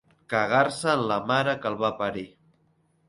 Cagar-se en la mare que el va parir.